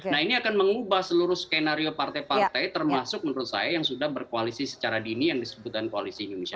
nah ini akan mengubah seluruh skenario partai partai termasuk menurut saya yang sudah berkoalisi secara dini yang disebutkan koalisi indonesia